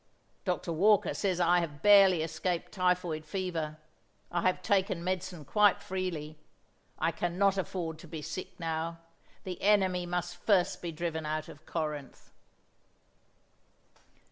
Dr. Walker says I have barely escaped typhoid fever. I have taken medicine quite freely. I cannot afford to be sick now; the enemy must first be driven out of Corinth."